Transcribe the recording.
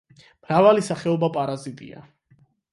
მრავალი სახეობა პარაზიტია.